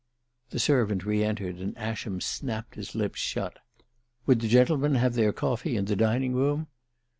The servant re entered, and Ascham snapped his lips shut. Would the gentlemen have their coffee in the dining room?